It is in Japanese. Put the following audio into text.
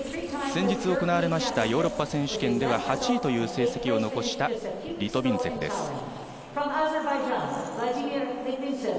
先日行われましたヨーロッパ選手権では８位という成績を残したリトビンツェフです。